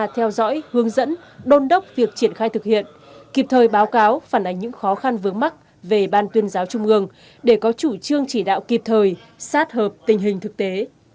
theo dõi hướng dẫn đôn đốc việc triển khai thực hiện kịp thời báo cáo phản ánh những khó khăn vướng mắt về ban tuyên giáo trung ương để có chủ trương chỉ đạo kịp thời sát hợp tình hình thực tế